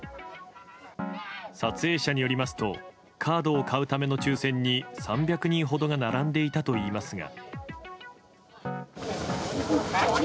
撮影者によりますとカードを買うための抽選に３００人ほどが並んでいたといいますが。